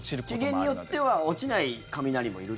機嫌によっては落ちない雷もいると。